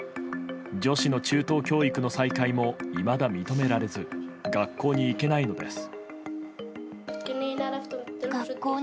女子の中等教育の再開もいまだ認められず学校に行けないのです。